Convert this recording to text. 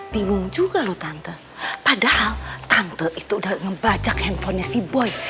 bingung juga loh tante padahal tante itu udah ngebajak handphonenya si boy